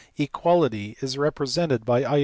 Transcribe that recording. Equality is represented by i.